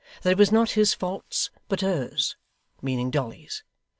That it was not his faults, but hers (meaning Dolly's).